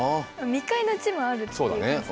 未開の地もあるっていう感じですかね。